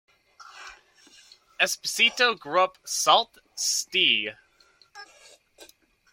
Esposito grew up Sault Ste.